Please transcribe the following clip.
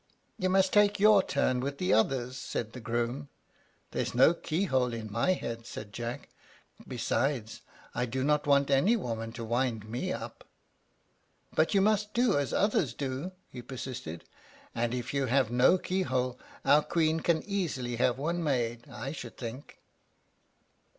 "You must take your turn with the others," said the groom. "There's no key hole in my head," said Jack; "besides, I do not want any woman to wind me up." "But you must do as others do," he persisted; "and if you have no key hole, our Queen can easily have one made, I should think."